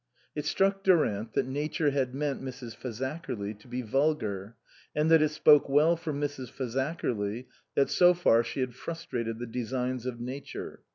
It struck Durant that nature had meant Mrs. Fazakerly to be vulgar, and that it spoke well for Mrs. Fazakerly that so far she had frustrated the designs of nature.